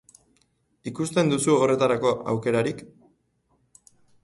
Ikusten duzu horretarako aukerarik?